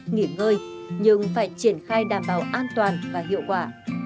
nghỉ ngơi nhưng phải triển khai đảm bảo an toàn và hiệu quả